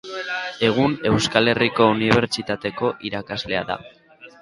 Egun Euskal Herriko Unibertsitateko irakaslea da.